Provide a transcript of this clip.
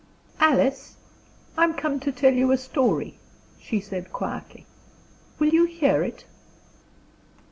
"Alice, I am come to tell you a story," she said quietly. "Will you hear it?"